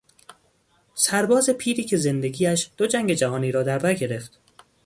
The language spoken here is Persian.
سرباز پیری که زندگیش دو جنگ جهانی را دربر گرفت